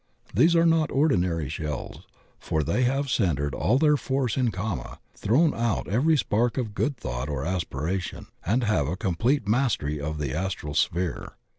These are not ordinary shells, for they have centered all their force in kama, thrown out every spark of good thought or aspiration, and have a complete mastery of the astral sphere.